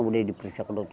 udah diperiksa ke dokter